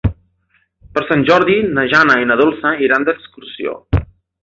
Per Sant Jordi na Jana i na Dolça iran d'excursió.